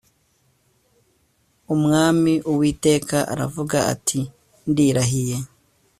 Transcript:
Umwami Uwiteka aravuga ati Ndirahiye